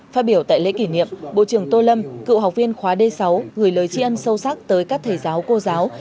phát biểu tại lễ kỷ niệm bộ trưởng tô lâm cựu học viên khóa d sáu gửi lời tri ân sâu sắc tới các thầy giáo cô giáo